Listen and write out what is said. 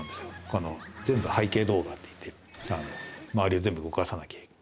この全部「背景動画」って言って周りを全部動かさなきゃ。